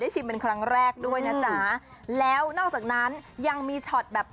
ชิมเป็นครั้งแรกด้วยนะจ๊ะแล้วนอกจากนั้นยังมีช็อตแบบ